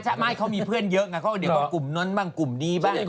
ใช่ไม่เขามีเพื่อนเยอะไงเขาเดี๋ยวก็กลุ่มนั้นบ้างกลุ่มนี้บ้าง